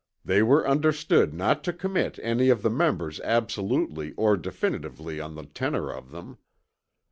They were understood not to commit any of the members absolutely or definitively on the tenor of them.